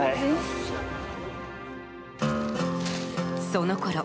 そのころ